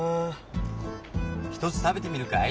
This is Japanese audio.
１つ食べてみるかい？